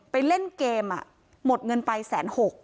ไปเล่นเกมมักเหมาะเงินไปสามหก